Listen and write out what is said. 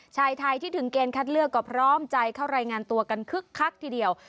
ชายไทยที่ถึงเกณฑ์คัดเลือกก็พร้อมใจเข้ารายงานตัวกันคึกคักทีเดียว